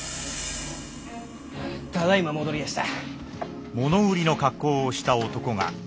ただいま戻りやした。